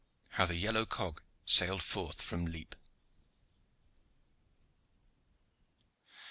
HOW THE YELLOW COG SAILED FORTH FROM LEPE.